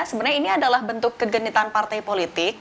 sebenarnya ini adalah bentuk kegenitan partai politik